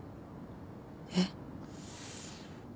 えっ？